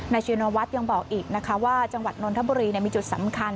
นายจินวัฒน์ยังบอกอีกว่าจังหวัดนวลธบุรีมีจุดสำคัญ